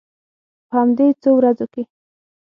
په همدې څو ورځو کې.